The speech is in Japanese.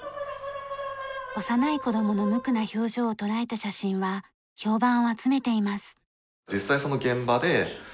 幼い子供の無垢な表情を捉えた写真は評判を集めています。